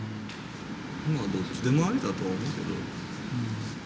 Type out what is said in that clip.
どっちでもありだとは思うけど。